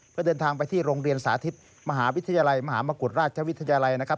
เพื่อเดินทางไปที่โรงเรียนสาธิตมหาวิทยาลัยมหามกุฎราชวิทยาลัยนะครับ